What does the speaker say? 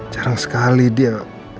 jarang sekali dia